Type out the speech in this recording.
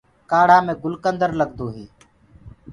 ڪآڙهآ مي گُلڪندر لگدو هي۔